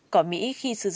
cỏ mỹ khi sử dụng